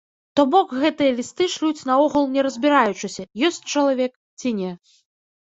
То бок гэтыя лісты шлюць наогул не разбіраючыся, ёсць чалавек ці не.